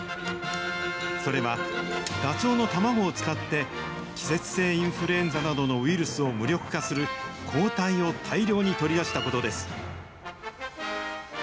それは、ダチョウの卵を使って、季節性インフルエンザなどのウイルスを無力化する抗体を大量に取り出したことです。